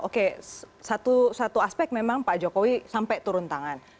oke satu aspek memang pak jokowi sampai turun tangan